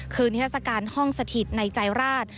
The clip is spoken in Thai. คือนิทรศการห้องสถิตในใจราช